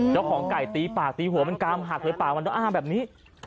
เจ้าของไก่ตีปากตีหัวมันกามหักเลยปากมันต้องอ้างแบบนี้